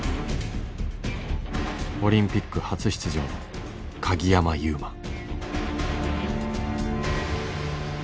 オリンピック初出場の鍵山優真。